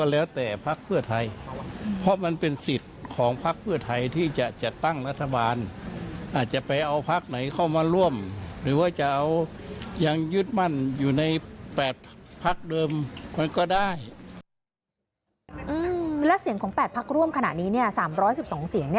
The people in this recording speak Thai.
แล้วเสียงของ๘พักร่วมขณะนี้๓๑๒เสียง